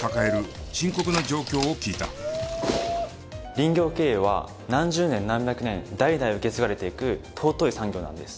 林業経営は何十年何百年代々受け継がれていく尊い産業なんです。